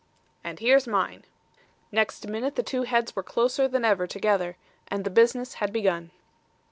"And here's mine." Next minute the two heads were closer than ever together, and the business had begun.